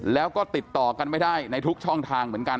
แล้วก็ติดต่อกันไม่ได้ในทุกช่องทางเหมือนกัน